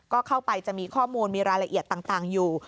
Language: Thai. ก็เข้าไปจะมีข้อมูลมีรายละเอียดต่างอยู่